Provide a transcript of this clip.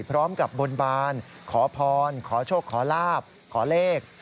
บนบานขอพรขอโชคขอลาบขอเลข